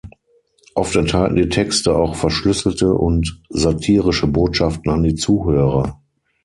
Oft enthalten die Texte auch verschlüsselte und satirische Botschaften an die Zuhörer.